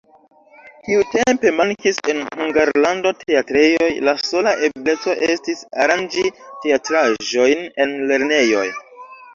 Tiutempe mankis en Hungarlando teatrejoj, la sola ebleco estis aranĝi teatraĵojn en lernejoj.